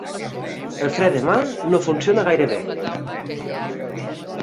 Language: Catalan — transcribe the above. El fre de mà no funciona gaire bé.